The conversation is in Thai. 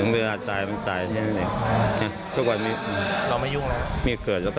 ว๊าวขอบคุณครับ